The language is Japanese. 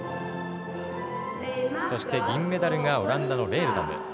そして銀メダルがオランダのレールダム。